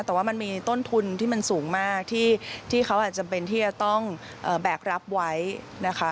แต่ว่ามันมีต้นทุนที่มันสูงมากที่เขาอาจจะเป็นที่จะต้องแบกรับไว้นะคะ